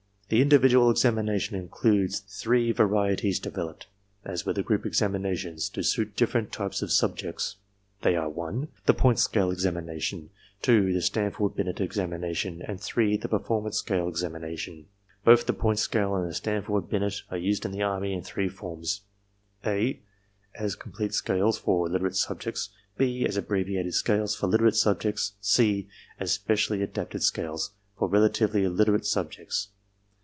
The individual examination includes three varieties de veloped, as were the group examinations, to suit different types of subjects. They are: (1) the Point Scale examination, (2) the Stanford Binet examination, and (3) the Performance Scale examination. Both the Point Scale and the Stanford Binet are used in the Army in three forms: (a) as complete scales, for literate subjects, (b) as abbreviated scales, for literate subjects, (c) as specially adapted scales, for relatively illiterate subjects.